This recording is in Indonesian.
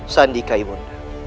sandika ibu nek